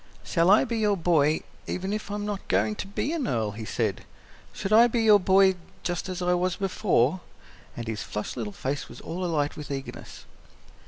"Shall I be your boy, even if I'm not going to be an earl?" he said. "Shall I be your boy, just as I was before?" And his flushed little face was all alight with eagerness.